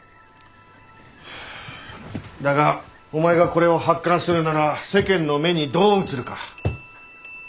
だがお前がこれを発刊するなら世間の目にどう映るか。